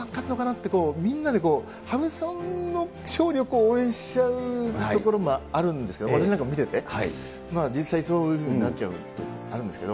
って、みんなで、羽生さんの勝利を応援しちゃうところがあるんですけど、私なんか見てて、実際そういうふうになっちゃうとこあるんですけど。